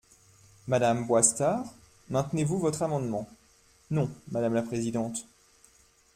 Madame Boistard, maintenez-vous votre amendement ? Non, madame la présidente.